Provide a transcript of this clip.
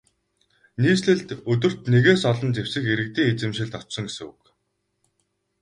Нийслэлд өдөрт нэгээс олон зэвсэг иргэдийн эзэмшилд очсон гэсэн үг.